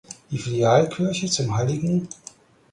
Die Filialkirche zum hl.